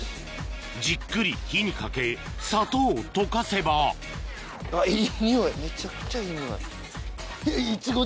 じっくり火にかけ砂糖を溶かせばめちゃくちゃいい匂い。